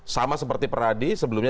sama seperti peradi sebelumnya